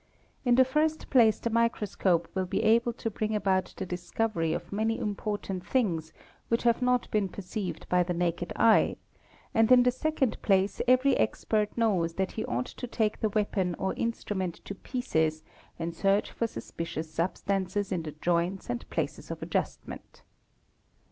in the first place the microscope will be able to bring about the discovery of "many important things which have not been perceived by the naked eye, and in the second place every expert knows that he ought to take the weapon or instrument to pieces and search for suspicious sub stances in the joints and places of adjustment.